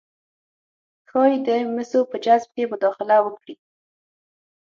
ښايي د مسو په جذب کې مداخله وکړي